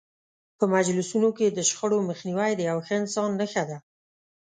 په مجلسونو کې د شخړو مخنیوی د یو ښه انسان نښه ده.